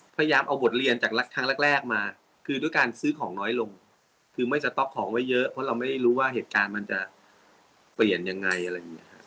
พยายามเอาบทเรียนจากครั้งแรกมาคือด้วยการซื้อของน้อยลงคือไม่สต๊อกของไว้เยอะเพราะเราไม่ได้รู้ว่าเหตุการณ์มันจะเปลี่ยนยังไงอะไรอย่างนี้ครับ